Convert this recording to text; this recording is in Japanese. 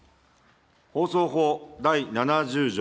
放送法第７０条